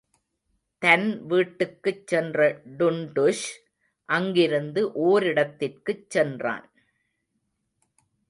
தன் வீட்டுக்குச் சென்ற டுன்டுஷ் அங்கிருந்து ஓரிடத்திற்குச் சென்றான்.